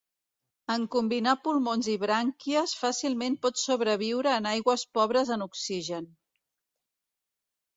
En combinar pulmons i brànquies fàcilment pot sobreviure en aigües pobres en oxigen.